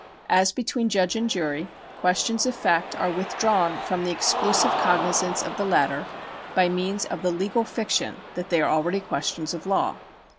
As between judge and jury, questions of fact are withdrawn from the exclusive cognizance of the latter by means of the legal fiction that they are already questions of law.